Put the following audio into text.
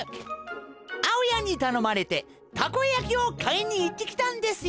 あおやんにたのまれてたこやきをかいにいってきたんですよ。